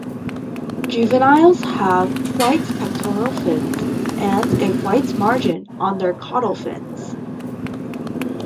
The juveniles have white pectoral fins and a white margin on their caudal fins.